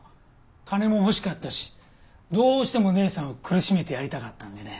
金も欲しかったしどうしても姉さんを苦しめてやりたかったんでね。